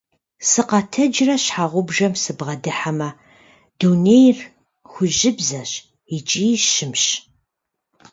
Сыкъэтэджрэ щхьэгъубжэм сыбгъэдыхьэмэ, дунейр хужьыбзэщ икӀи щымщ.